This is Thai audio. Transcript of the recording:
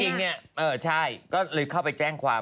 จริงเนี่ยเออใช่ก็เลยเข้าไปแจ้งความ